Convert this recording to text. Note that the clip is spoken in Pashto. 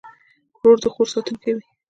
ورور د خور ساتونکی وي.